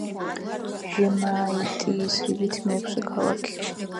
ჟემაიტიის რიგით მეექვსე ქალაქი.